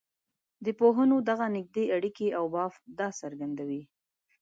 د پوهنو دغه نږدې اړیکي او بافت دا څرګندوي.